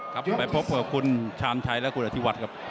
ครับไปพบกับคุณชาญชัยและคุณอธิวัฒน์ครับ